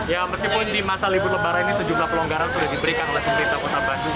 ya meskipun di masa libur lebaran ini sejumlah pelonggaran sudah diberikan oleh pemerintah kota bandung